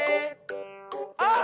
あっ！